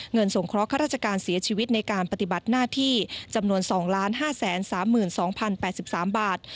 สงเคราะห้าราชการเสียชีวิตในการปฏิบัติหน้าที่จำนวน๒๕๓๒๐๘๓บาท